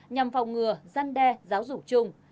nhằm phòng ngừa giăn đe giáo dục chung